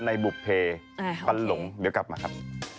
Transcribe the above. บุภเพันหลงเดี๋ยวกลับมาครับ